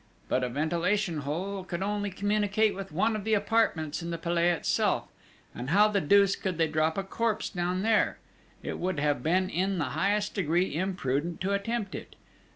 But a ventilation hole could only communicate with one of the apartments in the Palais itself, and how the deuce could they drop a corpse down there? It would have been in the highest degree imprudent to attempt it!